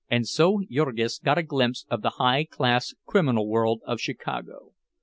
And so Jurgis got a glimpse of the high class criminal world of Chicago.